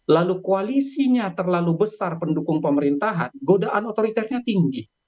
lalu koalisinya terlalu besar pendukung pemerintahan godaan otoriternya tinggi